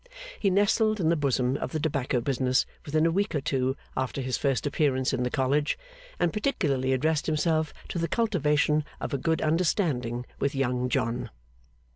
He nestled in the bosom of the tobacco business within a week or two after his first appearance in the College, and particularly addressed himself to the cultivation of a good understanding with Young John.